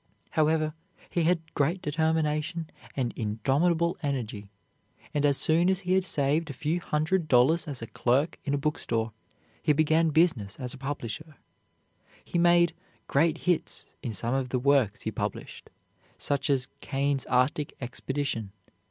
However, he had great determination and indomitable energy; and as soon as he had saved a few hundred dollars as a clerk in a bookstore, he began business as a publisher. He made "great hits" in some of the works he published, such as "Kane's Arctic Expedition."